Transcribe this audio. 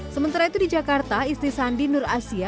sementara itu di jakarta istri sandi nur asia